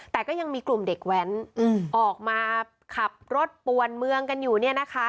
แต่ก็ยังมีกลุ่มเด็กแว้นออกมาขับรถปวนเมืองกันอยู่เนี่ยนะคะ